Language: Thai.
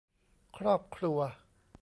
ครอบครัว